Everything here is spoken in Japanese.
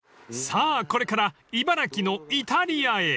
［さぁこれから茨城のイタリアへ］